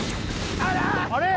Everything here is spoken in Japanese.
あれ？